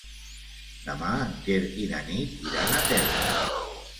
Demà en Quer i na Nit iran a Térmens.